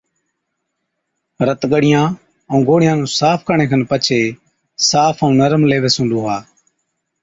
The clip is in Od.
رت ڳڙِيان ائُون گوڙهِيان نُون صاف ڪرڻي کن پڇي صاف ائُون نرم ليوي سُون لُوها